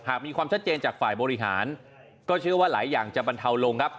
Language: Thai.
หากมีความชัดเจนจากฝ่ายบริหารก็เชื่อว่าหลายอย่างจะบรรเทาลงครับ